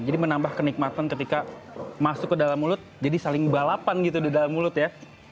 menambah kenikmatan ketika masuk ke dalam mulut jadi saling balapan gitu di dalam mulut ya